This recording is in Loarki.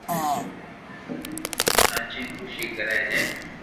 ناچين خوسي ڪري جي